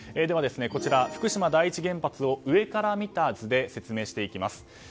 では、福島第一原発を上から見た図で説明していきます。